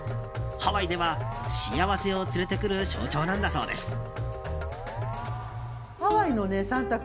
ハワイでは幸せを連れてくる象徴なんだそうです。